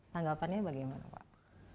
tanggapannya bagaimana pak